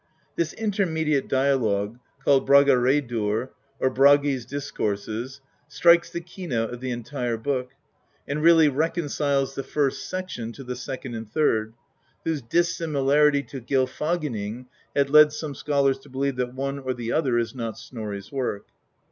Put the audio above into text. This intermediate dialogue, called Bragaradur^ or Bragi's Discourses, strikes the keynote of the entire book, and really reconciles the first section to the second and third, whose dissimilarity to Gylfaginning have led some scholars to believe that one or the other is not Snorri's work.